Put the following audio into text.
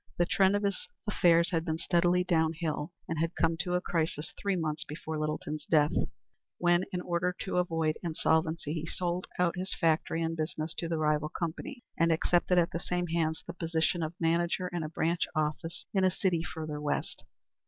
The trend of his affairs had been steadily downhill, and had come to a crisis three months before Littleton's death, when, in order to avoid insolvency, he sold out his factory and business to the rival company, and accepted at the same hands the position of manager in a branch office in a city further west.